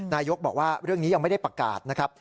นายกบอกว่าเรื่องนี้ยังไม่ได้ประกาศนะครับ